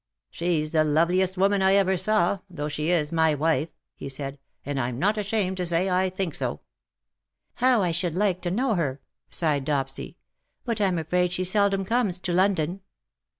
She's the loveliest woman I ever saw^ though she is my wife/' he said; '^ and I'm not ashamed to say I think so." " How I should like to know her/' sighed Dopsy ;^ but I'm afraid she seldom comes to London." WE DRAW NIGH THEE."